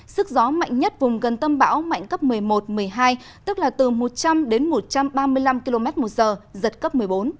sức gió mạnh nhất vùng gần tâm bão mạnh cấp một mươi một một mươi hai tức là từ một trăm linh đến một trăm ba mươi năm km một giờ giật cấp một mươi bốn